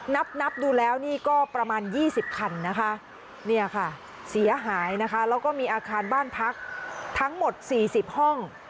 นับนับดูแล้วนี่ก็ประมาณ๒๐คันนะคะเนี่ยค่ะเสียหายนะคะแล้วก็มีอาคารบ้านพักทั้งหมด๔๐ห้อง